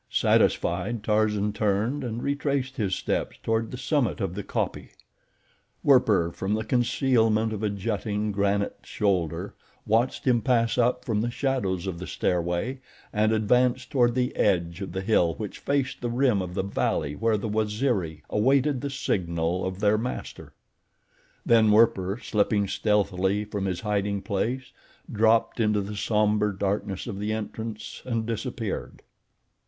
Satisfied, Tarzan turned and retraced his steps toward the summit of the kopje. Werper, from the concealment of a jutting, granite shoulder, watched him pass up from the shadows of the stairway and advance toward the edge of the hill which faced the rim of the valley where the Waziri awaited the signal of their master. Then Werper, slipping stealthily from his hiding place, dropped into the somber darkness of the entrance and disappeared.